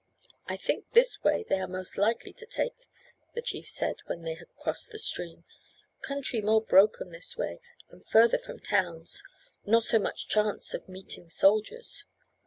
"I think this way they are most likely to take," the chief said, when they had crossed the stream. "Country more broken this way, and further from towns, not so much chance of meeting soldiers.